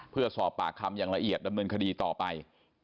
เพื่อสอบปากคำอย่างละเอียดดำเนินคดีต่อไป